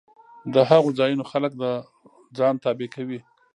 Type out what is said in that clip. د هغو ځایونو خلک د ځان تابع کوي